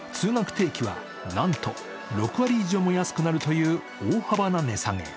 定期はなんと６割以上も安くなるという大幅な値下げ。